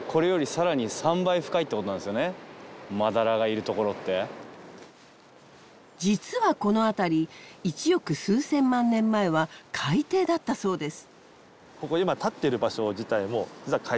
つまり実はこの辺り１億数千万年前は海底だったそうです。